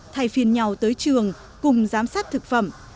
thay phiên nhau tới trường cùng giám sát thực phẩm